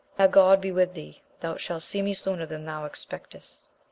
Now God be with thee 1 thou shalt see me sooner than thou expectest.